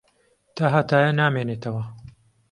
تاھەتایە نامێنێتەوە.